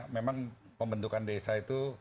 memang pembentukan desa itu